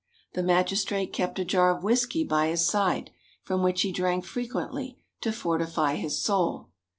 The magistrate kept a jar of whisky by his side, from which he drank frequently to fortify his soul.